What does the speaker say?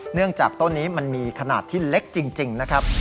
เนื่องจากต้นนี้มันมีขนาดที่เล็กจริงนะครับ